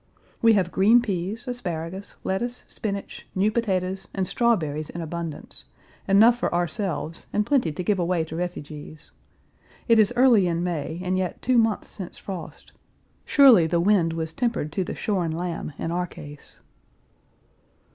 We have green peas, asparagus, lettuce, spinach, new potatoes, and strawberries in abundance enough for ourselves and plenty to give away to refugees. It is early in May and yet two months since frost. Surely the wind was tempered to the shorn lamb in our case.